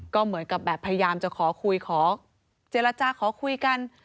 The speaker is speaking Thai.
ก็เหมือนกับแบบพยายามจะขอคุยขอเจรจาขอคุยกัน